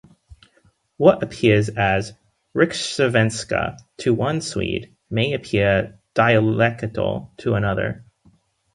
What appears as "rikssvenska" to one Swede may appear dialectal to another.